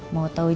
mau tau jualan